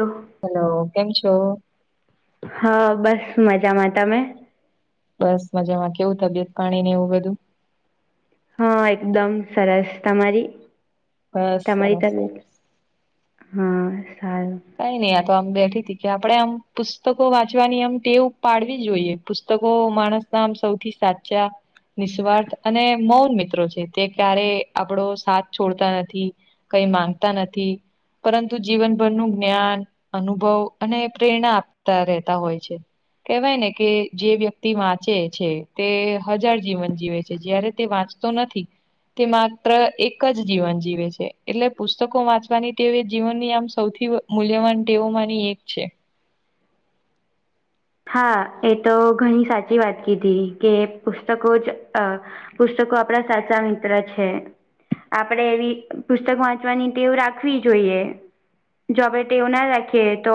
હ. હેલો, કેમ છો? હા, બસ મજામાં તમે? બસ મજામાં કેવું તબિયત પાણીને એવું બધું? હા, એકદમ સરસ તમારી? બસ તમારી સરસ તબિયત? સરસ હા સારું. કઈ નહીં આ તો આમ બેઠી તી કે આપણે આમ પુસ્તકો વાંચવાની આમ ટેવ પાડવી જોઈએ. પુસ્તકો માણસના આમ સૌથી સાચા નિસ્વાર્થ અને મૌન મિત્રો છે તે ક્યારે આપણો સાથ છોડતા નથી. કંઈ માંગતા નથી પરંતુ જીવનભરનું જ્ઞાન, અનુભવ અને પ્રેરણા આપતા રહેતાં હોય છે. કેવાય ને કે જે વ્યક્તિ વાંચે છે તે હજાર જીવન જીવે છે જયારે તે વાચ તો નથી. તે માત્ર એક જ જીવન જીવે છે એટલે પુસ્તકો વાંચવાની ટેવ એ જીવનની આમ સૌથી મૂલ્યવાન ટેવોમાની એક છે. હા એ તો ઘણી સાચી વાત કીધી કે પુસ્તકો જ અ પુસ્તકો આપણા સાચા મિત્ર છે. આપણે એવી પુસ્તક વાંચવાની ટેવ રાખવી જોઈએ. જો આપણે ટેવ ના રાખીએ તો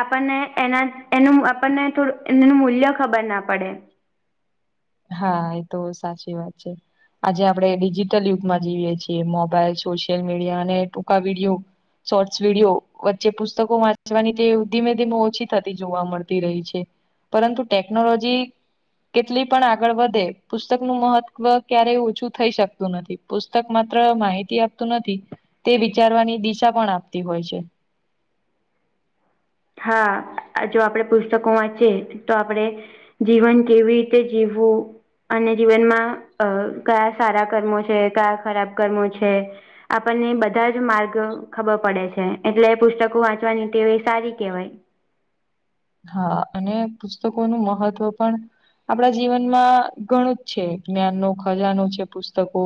આપણને એનાં એનું આપણને થોડું એનું મૂલ્ય ખબર ના પડે. હા એ તો સાચી વાત છે. આજે આપણે ડિજિટલ યુગમાં જીવીએ છીએ મોબાઈલ, સોશિયલ મીડિયા અને ટૂંકા વિડીયો. શોર્ટ્સ વિડીયો વચ્ચે પુસ્તકો વાંચવાની ટેવ ધીમે-ધીમે ઓછી થતી જોવા મળતી રહી છે. પરંતુ ટેકનોલોજી કેટલી પણ આગળ વધે પુસ્તકનું મહત્વ ક્યારે ઓછું થઈ શકતું નથી પુસ્તક માત્ર માહિતી આપ તુ નથી તે વિચારવાની દિશા પણ આપતી હોય છે. હા જો આપણેે પુસ્તકો વાંચીએ તો આપડે જીવન કેવી રીતે જીવવું? અને જીવનમાં અ કયા સારા કર્મો છે કયા ખરાબ કર્મો છે? આપણને બધા જ માર્ગ ખબર પડે છે એટલે પુસ્તકો વાંચવાની ટેવ એ સારી કેહવાય. હા અને પુસ્તકોનું મહત્ત્વ પણ આપણા જીવનમાં ઘણું જ છે જ્ઞાનનો ખજાનો છે પુસ્તકો.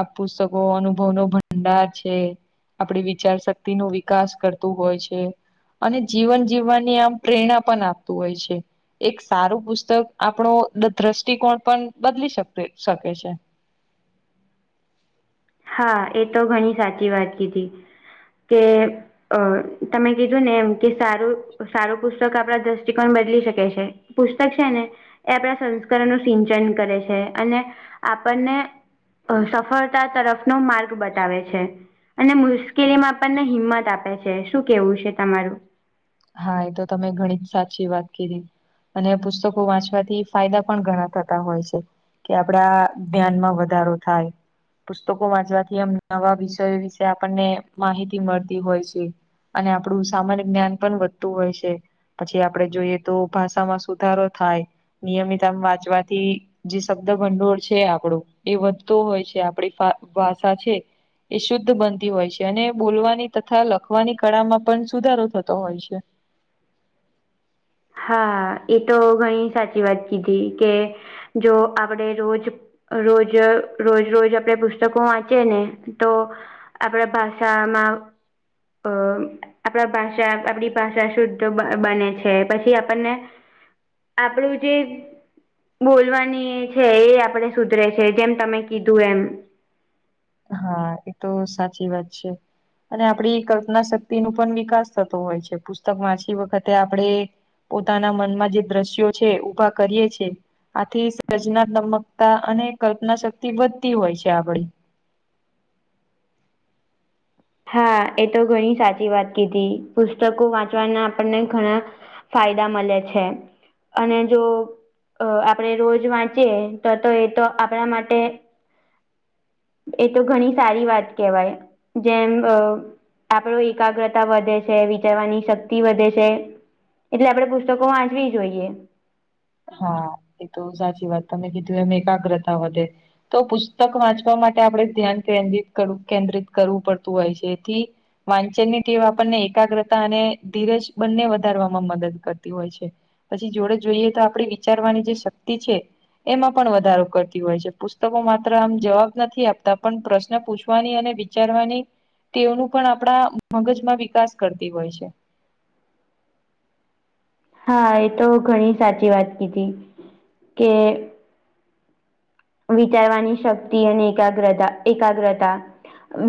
આપુ શગો અનુભવનો ભંડાર છે. આપણી વિચાર શક્તિનો વિકાસ કરતું હોય છે, અને જીવન જીવવાની આમ પ્રેરણા પણ આપતું હોય છે. એક સારું પુસ્તક આપણો દ્રષ્ટિકોણ પણ બદલી શક શકે છે. હા એ તો ઘણી સાચી વાત કીધી કે અ તમે કીધુંને એમ કે સારું સારું પુસ્તક આપણા દ્રષ્ટિકોણ બદલી શકે છે. પુસ્તક છે ને એ આપણા સંસ્કરોનું સિંચન કરે છે અને આપણને અ સફળતા તરફનો માર્ગ બતાવે છે. અને મુશ્કેલીમાં આપણને હિંમત આપે છે, શું કેવું છે તમારું? હા એ તો તમે ઘણી જ સાચી વાત કીધી. અને પુસ્તકો વાંચવાથી ફાયદા પણ ઘણાં થતાં હોય છે. કે આપડા ધ્યાનમાં વધારો થાય. પુસ્તકો વાંચવાથી એમ નવાં વિષયો વિશે આપણને માહિતી મળતી હોય છે. અને આપણું સામાન્ય જ્ઞાન પણ વધતું હોય છે. પછી આપડે જોઈએ તો ભાષામાં સુધારો થાય, નિયમિત આમ વાંચવાથી જે શબ્દ ભંડોળ છે આપણું એ વધતો હોય છે આપણી બ ભાષા છે. એ શુદ્ધ બનતી હોય છે અને બોલવાની તથા લખવાની કળામાં પણ સુધારો થત તો હોય છે. હા એ તો ઘણી સાચી વાત કીધી, કે જો આપડે રોજ રોજ, રોજ-રોજ આપણેે પુસ્તકો વાંચીએ ને તો આપણે ભાષામાં અહ આપણા ભાષા આપડી ભાષા શુદ્ધ બ બને છે. પછી આપણને આપણું જે બોલવાની છે એ આપણેે સુધરે છે જેમ તમે કીધું એમ. હા એતો સાચી વાત છે. અને આપડી કલ્પના શક્તિ નું પણ વિકાસ થતો હોય છે. પુસ્તક વાંચી વખતે આપણે પોતાના મનમાં જે દ્રશ્યો છે, ઊભા કરીએ છે આથી સર્જનાત્મકતા અને કલ્પના શક્તિ વધતી હોય છે આપડી. હા એ તો ઘણી સાચી વાત કીધી. પુસ્તકો વાંચવાના આપણને ઘણા ફાયદા મલે છે. અને જો અહ આપણે રોજ વાંચીએ તો-તો એ તો આપણા માટે એ તો ઘણી સારી વાત કહેવાય. જેમ અહ આપણું એકાગ્રતા વધે છે, વિચારવાની શક્તિ વધે છે. એટલે આપણે પુસ્તકો વાંચવી જોઈએ. હા એ તો સાચી વાત. તમે કીધું એમ એકાગ્રતા વધે. તો પુસ્તક વાંચવા માટે આપણે ધ્યાન કેન્દ્રિત કર કેન્દ્રિત કરવું પડતું હોય છે, એથી વાંચન ની ટેવ આપણને એકાગ્રતા અને ધીરજ બંને વધારવામાં મદદ કરતી હોય છે. પછી જોડે જોઈએ તો આપણે વિચારવાની જે શક્તિ છે એમાં પણ વધારો કરતી હોય છે. પુસ્તકો માત્ર આમ જવાબ નથી આપતા, પણ પ્રશ્ન પૂછવાની અને વિ ચારવાની તેઓનું પણ આપણા મગજમાં વિકાસ કરતી હોય છે. હા એ તો ઘણી સાચી વાત કીધી. કે વિચારવાની શક્તિ અને એકાગ્રતા-એકાગ્રતા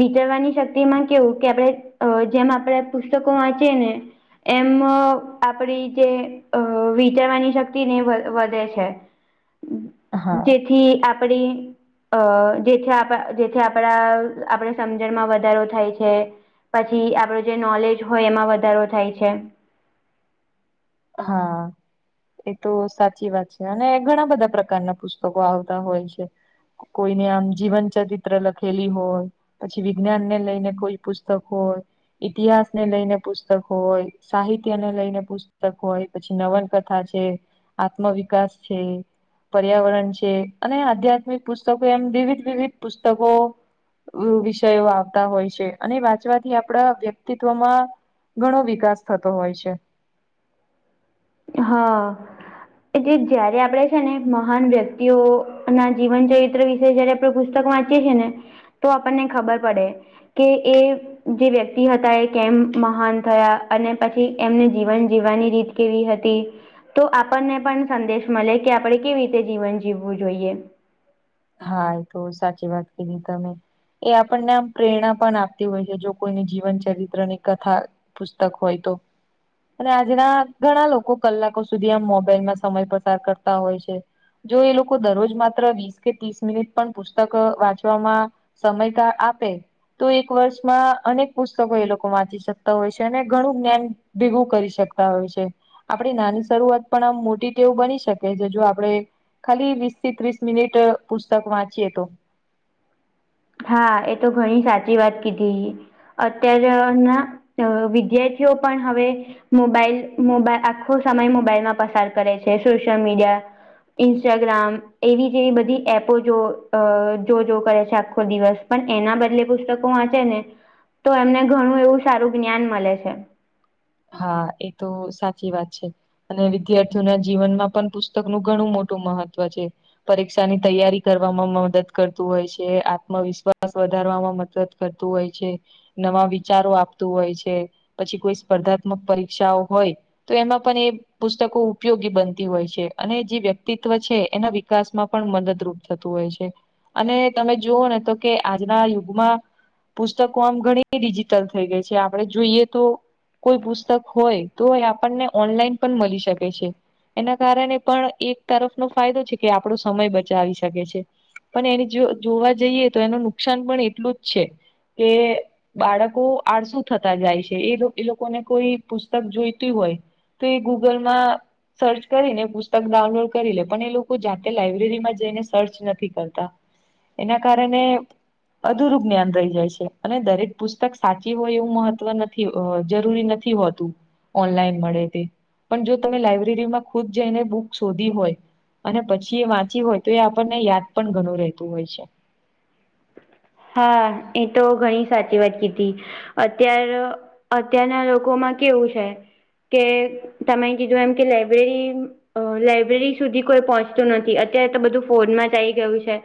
વિચારવાની શક્તિ માં કેવું કે આપણે અહ જેમ આપણે પુસ્તકો વાંચીએ ને એમ આપડી જે અહ વિચારવાની શક્તિ ને એ વધે છે. હા. થી આપડી અહ જેથી આપ જેથી આપણા આપણે સમજણમાં વધારો થાય છે. પછી આપડો જે નોલેજ હોય એમાં વધારો થાય છે. હા. એ તો સાચી વાત છે. અને ઘણા બધા પ્રકારના પુસ્તકો આવતા હોય છે. કોઈને આમ જીવન ચરિત્ર લખેલી હોય પછી વિજ્ઞાન ને લઈને કોઈ પુસ્તક હોય ઇતિહાસ ને લઈને પુસ્તકો હોય, સાહિત્યને લઈને પુસ તક હોય પછી, નવલકથા છે, આત્મવિકાસ છે પર્યાવરણ છે, અને આધ્યાત્મિક પુસ્તકો એમ વિવિધ-વિવિધ પુસ્તકો વ વિષયો આવતા હોય છે. અને વાંચવાથી આપણા વ્યક્તિત્વમાં ઘણો વિકાસ થતો હોય છે. હા. એ જે જયારે આપડે છે ને મહાન વ્યક્તિઓ ના જીવન ચરિત્ર વિશે જયારે આપણે પુસ્તક વાંચી છીએ ને તો આપણને ખબર પડે કે એ જે વ્યક્તિ હતા એ કેમ મહાન થયા, અને પછી એમને જીવન જીવવાની રીત કેવી હત તી, તો આપણને પણ સંદેશ મલે કે આપણે કેવી રીતે જીવન જીવવું જોઈએ. હા, એતો સાચી વાત કીધી તમે. એ આપણને આમ પ્રેરણા પણ આપતી હોય છે જો કોઈને જીવન ચરિત્રની કથા. પુસ્તક હોય તો? અને આજના ઘણા લોકો કલાકો સુધી આમ મોબાઈલમાં સમય પસાર કરતા હોય છે. જો એ લોકો દરરોજ માત્ર વીસ કે ત્રીસ મિનિટ પણ પુસ્તક વાંચવામાં સમયતા આપે. તો એક વર્ષમાં અનેક પુસ્તકો એ લોકો વાંચી શકતા હોય છે. અને ઘણું જ્ઞાન ભેગું કરી શકતા હોય છે. આપણી નાની શરૂઆત પણ આમ મોટી તે એવું બની શકે છે. જો આપણે ખાલી વીસથી ત્રીસ મિનિટ પુસ્તક વાંચીએ તો. હા, એતો ઘણી સાચી વાત કીધી. અત્યાર તો ના, વિદ્યાર્થીઓ પણ હવે મોબાઈલ મોબાઈ આખો સમય મોબાઈલમાં પસાર કરે છે. સોશિયલ મીડિયા ઇન્સ્ટાગ્રામ એવી જેવી બધી એપો જો અ જો જો કરે છે. આખું દિવસ પણ એના બદલે પુસ્તકો વાંચેને તો એમને ઘણું એવું સારું જ્ઞાન મલે છે. હા, એ તો સાચી વાત છે. અને વિદ્યાર્થીઓના જીવનમાં પણ પુસ્તકનું ઘણું મોટું મહત્વ છે. પરીક્ષાની તૈયારી કરવામાં મદદ કરતું હોય છે. આત્મવિશ્વાસ વધારવામાં મદદ કરતું હોય છે. નવા વિચારો આપતું હોય છે. પછી કોઈ સ્પર્ધાત્મક પરીક્ષાઓ હોય તો એમાં પણ એ પુસ્તકો ઉપયોગી બનતી હોય છે અને જે વ્યક્તિત્વ છે. એના વિકાસમાં પણ મદદરૂપ થતું હોય છે. અને તમે જીઓને તો કે આજના યુગમાં પુસ્તકો આમ ઘણી ડિજિટલ થઈ ગઈ છે. આપણે જોઈએ તો કોઈ પુસ્તક હોય તો એ આપણને ઓનલાઈન પણ મલી શકે છે. એના કારણે પણ એક તરફનોો ફાયદો છે કે આપણો સમય બચાવી શકે છે. પણ એની જો જોવા જઈએ તો એનું નુકસાન પણ એટલું જ છે. કે બાળકો આળસુ થતા જાય છે. એ લો એ લોકોને કોઈ પુસ્તક જોઈતું હોય તો એ ગૂગલમાં સર્ચ કરીને પુસ્તક ડાઉનલોડ કરી લે પણ એ લોકો જાતે લાયબ્રેરીમાં જઈને સર્ચ નથી કરતા. એના કારણે અધુરું જ્ઞાન રહી જાય છે અને દરેક પુસ્તક સાચી હોય એવું મહત્વ નથી. અ જરૂરી નથી હોતું. ઓનલાઈન મળે તે પણ જો તમે લાઈબ્રેરીમાં ખુદ જઈને બુક શોધી હોય અને પછી વાંચી હોય તો એ આપણને યાદ પણ ઘણું રહેતું હોય છે. હા, એ તો ઘણી સાચી વાત કીધી. અત્યાર અત્યારના લોકોમાં કેવું છે કે તમે કીધું એમ કે લાઈબ્રેરી અ લાઈબ્રેરી સુધી કોઈ પહોંચતું નથી અત્યારે તો બધું ફોન માં જઈ ગયું છે.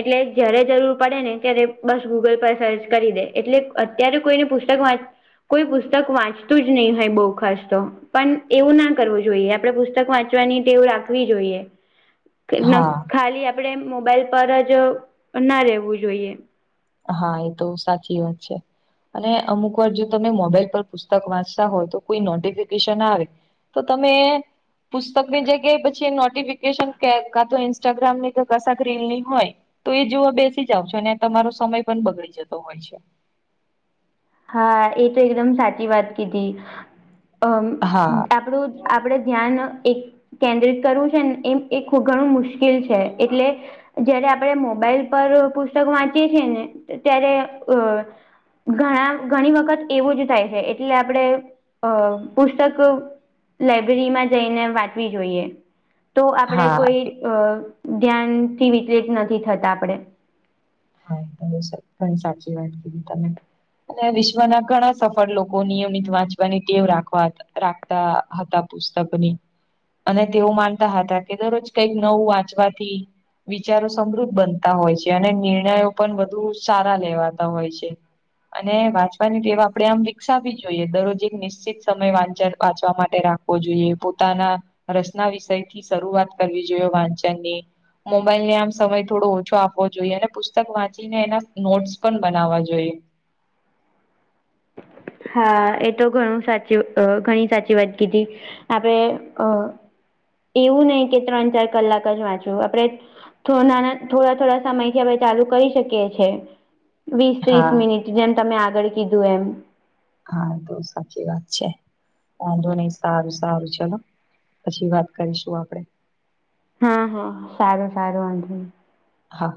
એટલે જ્યારે જરૂર પડેને અત્યારે બસ ગૂગલ પર સર્ચ કરી દે એટલે અત્યારે કોઈને પુસ્તક વાંચ કોઈ પુસ્તક વાંચતું જ નઈ હોય બો ખાસ તો. પણ એવું ના કરવું જોઈએ આપડે પુસ્તક વાંચવાની તેવ રાખવી જોઈએ. [inaudible] ખાલી આપડે મોબાઈલ પર જ ના રહેેવું જોઈએ. હા એ તો સાચી વાત છે. અને અમુક વાર જો તમે મોબાઈલ પર પુસ્તક વાંચતા હોય તો કોઈ નોટિફિકેશન આવે. તો તમે પુસ્તકની જગ્યાએ પછી નોટિફિકેશન કાં તો ઇન્સ્ટાગ્રામ ની કે કશાક રીલની હોય. તો એ જોવા બેસી જાવ છો અને તમારો સમય પણ બગડી જતો હોય છે. હા એ તો એકદમ સાચી વાત કીધી, અમ હા આપણું આપડે ધ્યાન એક કેન્દ્રિત કરવું છે ને એમ એ ખ ઘણું મુશ્કેલ છે એટલે જયારે આપણે મોબાઈલ પર પુસ્તક વાંચીએ છીએ ને ત્યારે અ ઘણા ઘણી વખત એવું જ થાય છે એટલે આપણે અ પુસ્તક લાઈબ્રેરીમાં જઈને વાંચવી જોઈએ. તો આપણે હા કોઈ એ- અ ધ્યાનથી વિતરિત નથી થતા આપણે. હા સાચી વાત કરીધ તમે. અને વિશ્વના ઘણા સફળ લોકો નિયમિત વાંચવાની ટેવ રાખવા હતા. રાખતા હતા પુસ્તકની. અને તેઓ માનતા હતા કે દરરોજ કઈક નવું વાંચવાથી વિચારો સમૃદ્ધ બનતા હોય છે અને નિર્ણયો પણ વધુ સારા લેવાતા હોય છે. અને વાંચવાની ટેવ આપડે આમ વિકસાવવી જોઈએ દરરોજ એક નિશ્ચિત સમય વા વાંચવા માટે રાખ જોઈએ પોતાના રચના વિષય થી શરૂઆત કરવી જોઈએ વાંચન ની. મોબાઈલ ને આમ સમય થોડો ઓછો આપવો જોઈએ અને પુસ્તક વાંચીને એના નોટ્સ પણ બનાવવા જોઈએ. હા એ તો ઘણું સાચું ઘણી સાચી વાત કીધી. આપણે અ એવું નહી કે ત્રણ ચાર કલાક જ વાંચવું આપડે. નાના થોડા થોડા સમયથી આપણે ચાલુ કરી શકીએ છીએ. વીસ ત્રીસ હા મિનિટ જેમ તમે આગળ કીધું એમ. હા તો સાચી વાત છે, વાંધો નઈ સારું સારું ચલો. પછી વાત કરીશું આપડે. હા હા સારું સારું આંધ. હા.